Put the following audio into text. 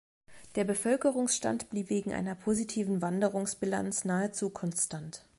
Der Bevölkerungsstand blieb wegen einer positiven Wanderungsbilanz nahezu konstant.